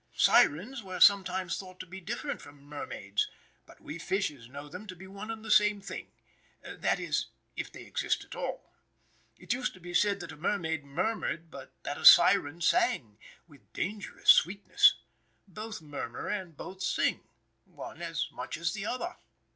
Sirens were sometimes thought to be different from mermaids, but we fishes know them to be one and the same thing that is, if they exist at all. It used to be said that a mermaid murmured, but that a siren sang, with dangerous sweetness. Both murmur and both sing, one as much as the other.